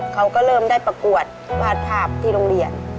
เขาก็เริ่มได้ประกวดวาดภาพที่โรงเรียน